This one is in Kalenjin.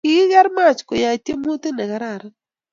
Kigigeer Mach koyae tyemutik negararan